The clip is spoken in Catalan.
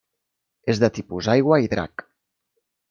És de tipus aigua i drac.